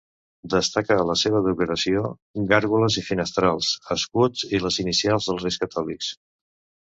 Destaca a la seva decoració gàrgoles i finestrals, escuts i les inicials dels Reis Catòlics.